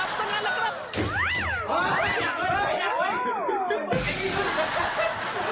ต้องหวบแน่นอนนะครับ